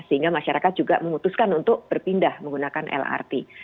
sehingga masyarakat juga memutuskan untuk berpindah menggunakan lrt